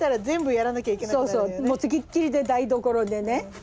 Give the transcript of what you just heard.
もうつきっきりで台所でね。